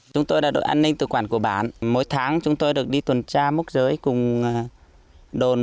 chúng tôi là đội an ninh tự quản của bản mỗi tháng chúng tôi được đi tuần tra mốc giới cùng đồn bốn trăm năm mươi chín